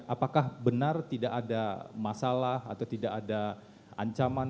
apakah benar tidak ada masalah atau tidak ada ancaman